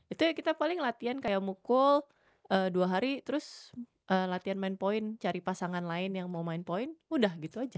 itu ya kita paling latihan kayak mukul dua hari terus latihan main point cari pasangan lain yang mau main point udah gitu aja